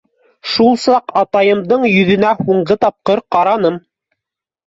Шул саҡ атайымдың йөҙөнә һуңғы тапҡыр ҡараным.